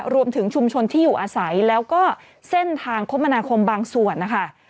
รวมถึงชุมชนที่อยู่อาศัยแล้วก็เส้นทางคมนาคมบางส่วนนะคะ